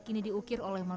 ini lama sekali kan